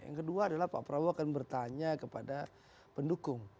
yang kedua adalah pak prabowo akan bertanya kepada pendukung